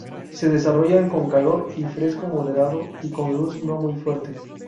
Se desarrollan con calor y fresco moderado, y con luz no muy fuerte.